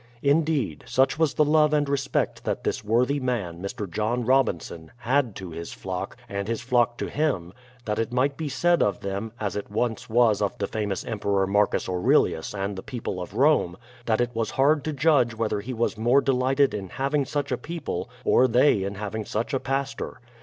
Indeed, such was the love and respect that this worthy man, Mr. John Robinson, had to his flock, and his flock to him, that it might be said of them, as it once was of the famous Emperor Marcus AureUus and the people of Rome, that it was hard to judge whether he was more de lighted in having such a people or they in having such a pastor.